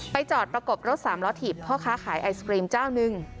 จอดประกบรถสามล้อถีบพ่อค้าขายไอศกรีมเจ้าหนึ่ง